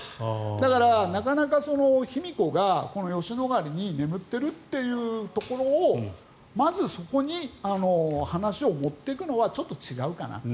だから、なかなか卑弥呼がこの吉野ヶ里に眠っているというところをまず、そこに話を持ってくのはちょっと違うかなと。